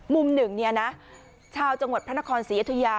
มุมหนึ่งชาวจังหวัดพระนครศรีอยุธยา